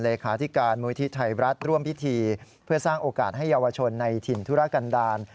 เลขาธิการมูลที่ไทยรัฐร่วมพิธีเพื่อสร้างโอกาสให้เยาวชนในถิ่นธุรกันดาล